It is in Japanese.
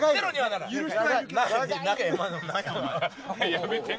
やめて。